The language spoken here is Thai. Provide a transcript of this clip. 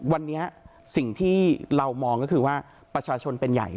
วันนี้สิ่งที่เรามองก็คือว่าประชาชนเป็นใหญ่